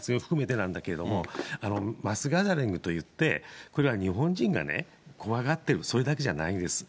なんだけど、マスギャザリングといって、これは日本人がね、怖がっている、それだけじゃないんです。